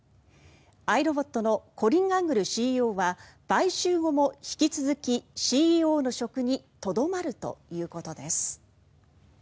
アイロボットのコリン・アングルＣＥＯは買収後も、引き続きＣＥＯの職にとどまるということです。